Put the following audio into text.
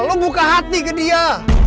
lo buka hati ke dia